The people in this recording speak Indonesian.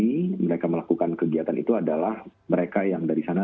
oke jadi mereka murni mereka melakukan kegiatan itu adalah mereka yang dari sana